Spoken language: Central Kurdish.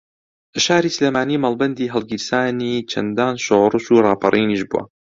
شاری سلێمانی مەڵبەندی ھەڵگیرسانی چەندان شۆڕش و ڕاپەڕینیش بووە